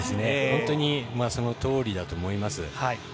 本当にそのとおりだと思います。